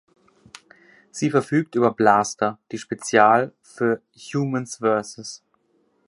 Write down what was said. Sie verfügt über Blaster, die spezial für "Humans vs.